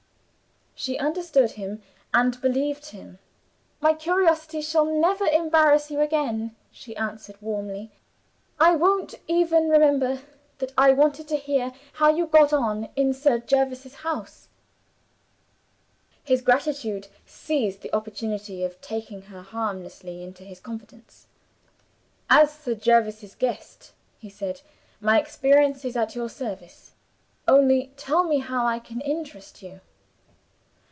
She understood him and believed him. "My curiosity shall never embarrass you again," she answered warmly. "I won't even remember that I wanted to hear how you got on in Sir Jervis's house." His gratitude seized the opportunity of taking her harmlessly into his confidence. "As Sir Jervis's guest," he said, "my experience is at your service. Only tell me how I can interest you."